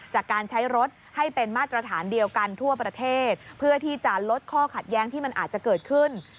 จากการใช้รถให้เป็นมาตรฐานเดียวกันทั่วประเทศเพื่อที่จะลดข้อขัดแย้งที่มันอาจจะเกิดขึ้น